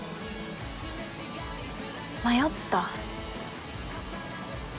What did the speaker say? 迷った？